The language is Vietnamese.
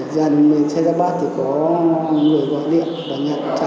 dần bến xe ra bát thì có người gọi điện và nhận trả tiền cho tôi năm triệu